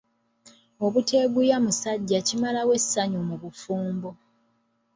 Obuteeguya musajja kimalawo essanyu mu bufumbo.